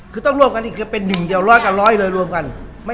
คือต้องร่วมกันเป็นหนึ่งอย่างร้อยกับร้อยเลยร่วมกัน